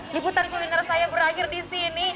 liputan kuliner saya berakhir di sini